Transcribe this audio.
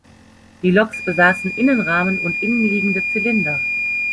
Die Loks besaßen Innenrahmen und innenliegende Zylinder.